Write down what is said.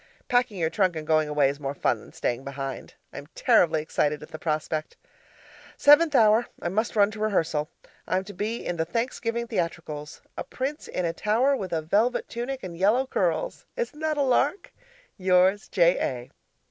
Packing your trunk and going away is more fun than staying behind. I am terribly excited at the prospect. Seventh hour I must run to rehearsal. I'm to be in the Thanksgiving theatricals. A prince in a tower with a velvet tunic and yellow curls. Isn't that a lark? Yours, J. A.